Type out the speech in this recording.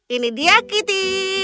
ini dia kitty